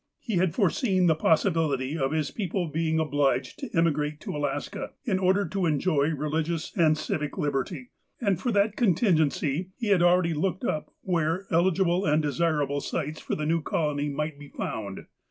He had fore seen the possibility of his people being obliged to immi grate to Alaska, in order to enjoy religious and civic liberty, and for that contingency he had already looked up where eligible and desirable sites for the new colony might be found.